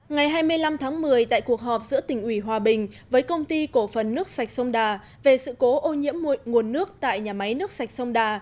ngày hai mươi năm tháng một mươi tại cuộc họp giữa tỉnh ủy hòa bình với công ty cổ phần nước sạch sông đà về sự cố ô nhiễm nguồn nước tại nhà máy nước sạch sông đà